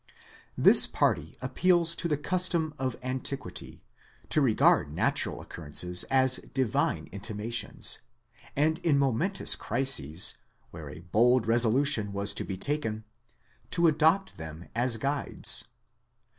This party appeals to the custom of antiquity, to regard natural occurrences as divine intimations, and in momentous crises, where a bold resolution was to be taken, to adopt them as guides.